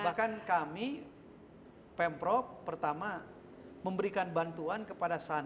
bahkan kami pemprov pertama memberikan bantuan kepada sana